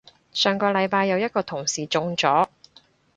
上個禮拜有一個同事中咗